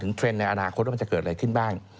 เทรนด์ในอนาคตว่ามันจะเกิดอะไรขึ้นบ้าง